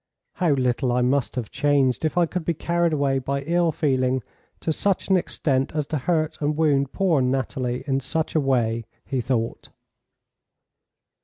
How little I must have changed if I could be carried away by ill feeling to such an extent as to hurt and wound poor Nathalie in such a way!" he thought.